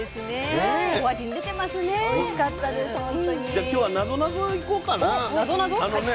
じゃあ今日はなぞなぞいこうかな。